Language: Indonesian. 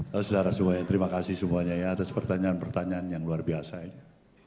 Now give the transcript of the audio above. saudara saudara semuanya terima kasih semuanya ya atas pertanyaan pertanyaan yang luar biasa ini